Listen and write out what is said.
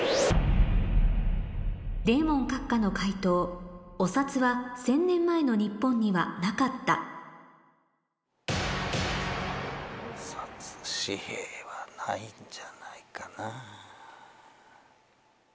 デーモン閣下の解答お札は１０００年前の日本にはなかったお札紙幣はないんじゃないかな。